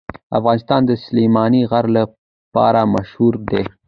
افغانستان د سلیمان غر لپاره مشهور دی.